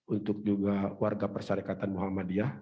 untuk juga warga persyarikatan muhammadiyah